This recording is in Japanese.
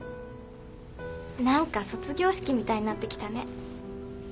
何か卒業式みたいになってきたね。